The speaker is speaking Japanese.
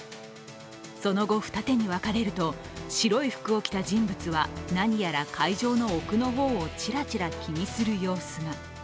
その後、二手に分かれると、白い服を着た人物は何やら会場の奥の方をチラチラ気にする様子が。